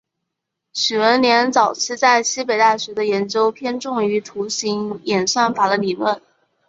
许闻廉早期在西北大学的研究偏重于图形演算法的理论。